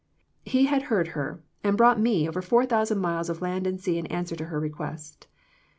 He had heard her, and brought me over four thousand miles of land and sea in answer to her request."